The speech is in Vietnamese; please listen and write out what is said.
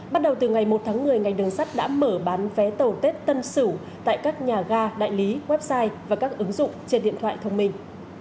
bắt đầu từ ngày một tháng một mươi ngành đường sắt đã mở bán vé tàu tết tân sửu tại các nhà ga đại lý website và các ứng dụng trên điện thoại thông minh